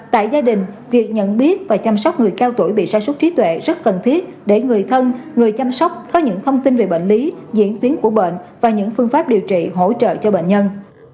tại gia đình việc nhận biết và chăm sóc người cao tuổi bị sai súc trí tuệ rất cần thiết để người thân người chăm sóc có những thông tin về bệnh lý diễn biến của bệnh và những phương pháp điều trị hỗ trợ cho bệnh nhân